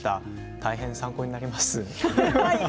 大変参考になります。